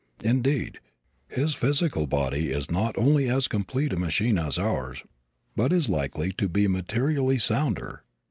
Indeed, his physical body is not only as complete a machine as ours but is likely to be materially sounder.